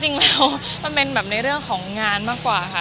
จริงแล้วมันเป็นแบบในเรื่องของงานมากกว่าค่ะ